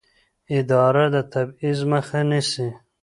اداره د تبعیض مخه نیسي.